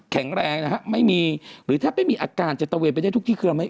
แข็งแรงนะครับไม่มีหรือถ้าไม่มีอาการจัดตะเวนไปได้ทุกที่เครื่อง